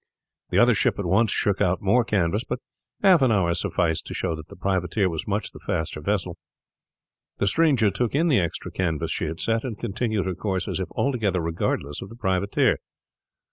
The other ship at once shook out more canvas, but half an hour sufficed to show that the privateer was much the faster vessel. The stranger took in the extra canvas she had set, and continued her course as if altogether regardless of the privateer.